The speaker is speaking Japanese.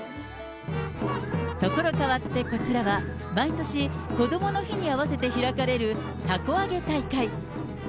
所変わって、こちらは毎年、こどもの日に合わせて開かれるたこ揚げ大会。